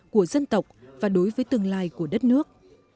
của dân tộc và đối với tương lai của đất nước